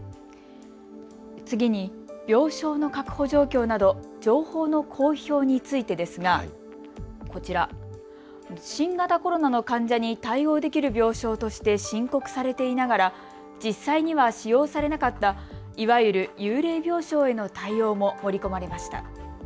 次に、病床の確保状況など情報の公表についてですがこちら、新型コロナの患者に対応できる病床として申告されていながら実際には使用されなかったいわゆる幽霊病床への対応も盛り込まれました。